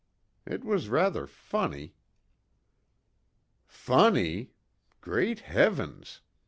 It was rather funny." "Funny? Great Heavens!